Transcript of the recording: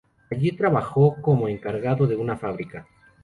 Allí trabajó como encargado de una fábrica.